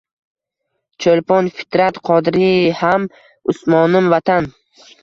Choʻlpon, Fitrat, Qodiriy ham, Usmonim Vatan.!!!